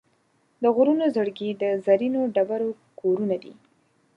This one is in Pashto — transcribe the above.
د غرونو زړګي د زرینو ډبرو کورونه دي.